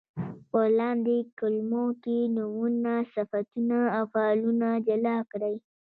په لاندې کلمو کې نومونه، صفتونه او فعلونه جلا کړئ.